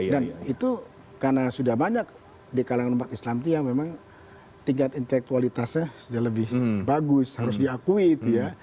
dan itu karena sudah banyak di kalangan umat islam itu ya memang tingkat intelektualitasnya sudah lebih bagus harus diakui itu ya